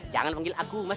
jangan panggil aku mas